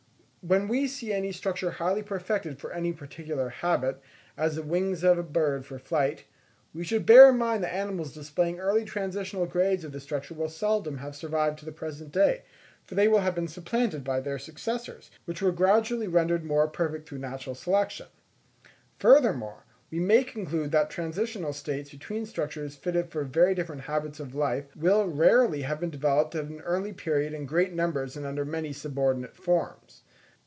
When we see any structure highly perfected for any particular habit, as the wings of a bird for flight, we should bear in mind that animals displaying early transitional grades of the structure will seldom have survived to the present day, for they will have been supplanted by their successors, which were gradually rendered more perfect through natural selection. Furthermore, we may conclude that transitional states between structures fitted for very different habits of life will rarely have been developed at an early period in great numbers and under many subordinate forms.